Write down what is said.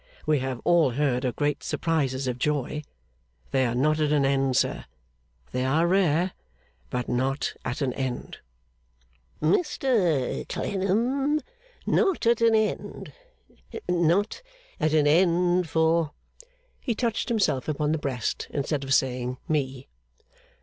We have all heard of great surprises of joy. They are not at an end, sir. They are rare, but not at an end.' 'Mr Clennam? Not at an end? Not at an end for ' He touched himself upon the breast, instead of saying 'me.